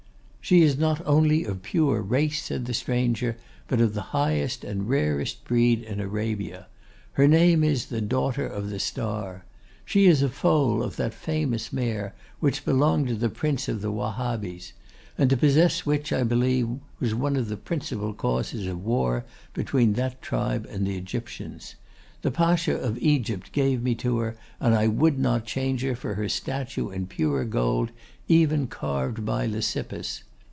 'She is not only of pure race,' said the stranger, 'but of the highest and rarest breed in Arabia. Her name is "the Daughter of the Star." She is a foal of that famous mare, which belonged to the Prince of the Wahabees; and to possess which, I believe, was one of the principal causes of war between that tribe and the Egyptians. The Pacha of Egypt gave her to me, and I would not change her for her statue in pure gold, even carved by Lysippus.